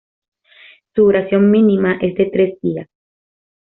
Su duración mínima es de tres días.